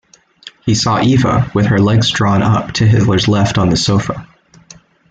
He saw Eva, with her legs drawn up, to Hitler's left on the sofa.